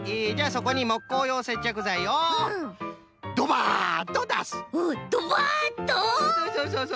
そうそうそうそう。